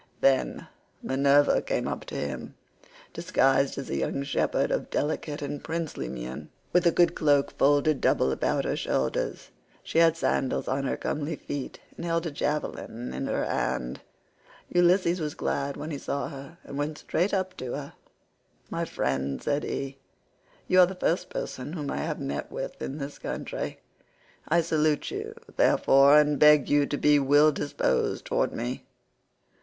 Then Minerva came up to him disguised as a young shepherd of delicate and princely mien, with a good cloak folded double about her shoulders; she had sandals on her comely feet and held a javelin in her hand. Ulysses was glad when he saw her, and went straight up to her. "My friend," said he, "you are the first person whom I have met with in this country; I salute you, therefore, and beg you to be well disposed towards me.